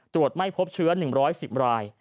ตรวจไม่พบเชื้อ๑๑๐ราย